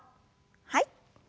はい。